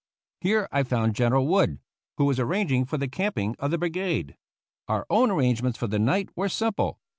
Here I found General Wood, who was arranging for the camping of the brigade. Our own arrangements for the night were simple.